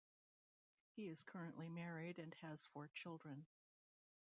He is currently married and has four children.